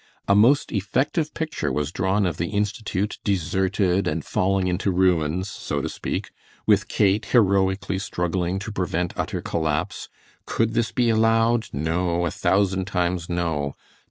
A most effective picture was drawn of the Institute deserted and falling into ruins, so to speak, with Kate heroically struggling to prevent utter collapse. Could this be allowed? No! a thousand times no!